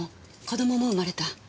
子供も生まれた。